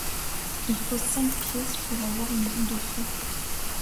Il faut cinq pièce pour avoir une boule de feu.